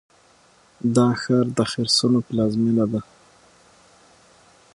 دا ښار د خرسونو پلازمینه ده.